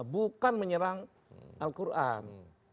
bukan menyerang al quran